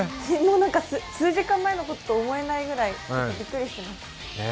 なんか数時間前のことと思えないくらい、びっくりします。